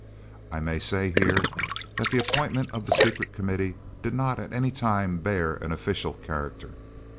I may say here that the appointment of the Secret Committee did not at any time bear an official character.